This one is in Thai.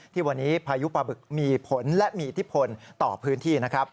ที่วันนี้พายุปลาบึกมีผลและมีอิทธิพลต่อพื้นที่นะครับ